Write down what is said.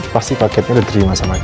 pasti paketnya udah terima sama dia